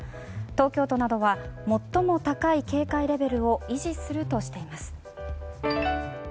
東京都などが最も高い警戒レベルを維持するとしています。